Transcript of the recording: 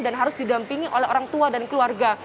dan harus didampingi oleh orang tua dan keluarga